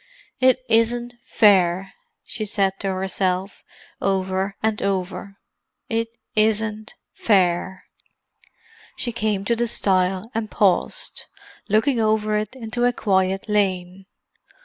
"It isn't fair!" she said to herself, over and over. "It isn't fair!" She came to the stile, and paused, looking over it into a quiet lane.